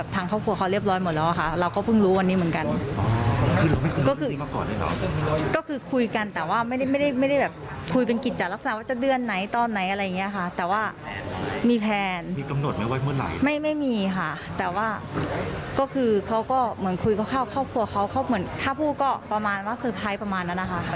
ถ้าพูดก็ประมาณว่าเซอร์ไพรส์ประมาณนั้นนะคะ